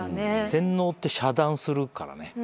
洗脳って遮断するからね。